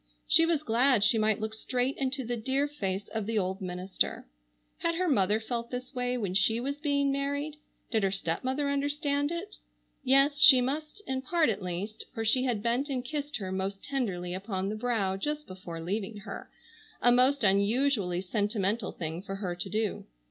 She was glad she might look straight into the dear face of the old minister. Had her mother felt this way when she was being married? Did her stepmother understand it? Yes, she must, in part at least, for she had bent and kissed her most tenderly upon the brow just before leaving her, a most unusually sentimental thing for her to do.